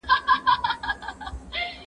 ږغ واوره!!